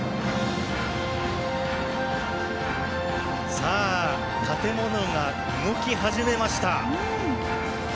さあ建物が動き始めました。